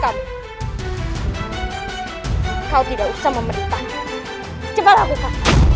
baiklah aku harus menggunakan cara lain untuk mengalahkannya